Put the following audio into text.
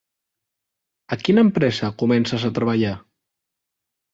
A quina empresa comences a treballar?